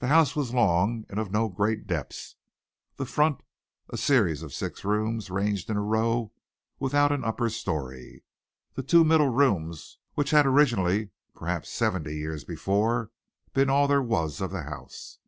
The house was long and of no great depth, the front a series of six rooms ranged in a row, without an upper storey. The two middle rooms which had originally, perhaps seventy years before, been all there was of the house.